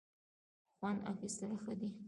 خوند اخیستل ښه دی.